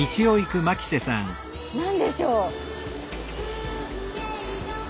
何でしょう？